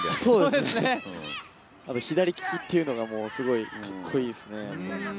左利きっていうのが、すごいカッコいいですよね。